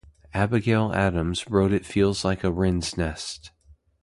Abigail Adams wrote it feels like a wren's nest.